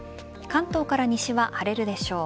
関東から西は晴れるでしょう。